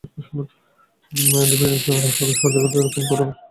ডেভিয়েন্টসরা তাদের স্বজাতিদেরকে খুন করতে আমাদেরকে বাধা দিচ্ছে।